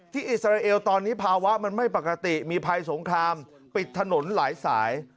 อิสราเอลตอนนี้ภาวะมันไม่ปกติมีภัยสงครามปิดถนนหลายสาย